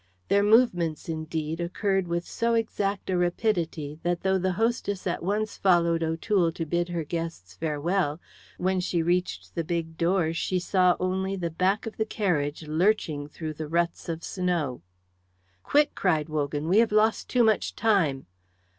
Their movements, indeed, occurred with so exact a rapidity, that though the hostess at once followed O'Toole to bid her guests farewell, when she reached the big doors she saw only the back of the carriage lurching through the ruts of snow. "Quick!" cried Wogan; "we have lost too much time."